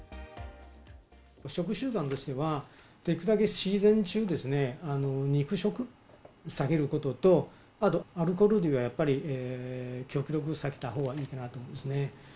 食習慣としては、できるだけシーズン中、肉食を避けることと、あとアルコール類は、やっぱり、極力避けたほうがいいかなと思いますね。